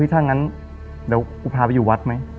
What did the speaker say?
ถ้างั้นเดี๋ยวกูพาไปอยู่วัดไหม